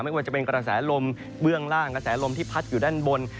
ว่าจะเป็นกระแสลมเบื้องล่างกระแสลมที่พัดอยู่ด้านบน